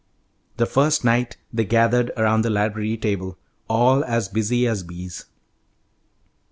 The first night they gathered around the library table, all as busy as bees.